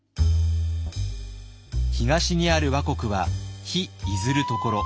東にある倭国は「日出ずる処」。